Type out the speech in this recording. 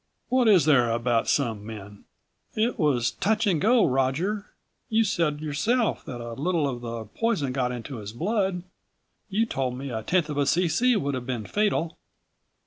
What is there about some men " "It was touch and go, Roger. You said yourself that a little of the poison got into his blood. You told me a tenth of a cc would have been fatal."